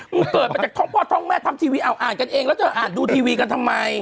เกิดมาจากท้องพ่อท้องแม่ทำทีวีเอาอ่านกันเองแล้วเธออ่านดูทีวีกันทำไม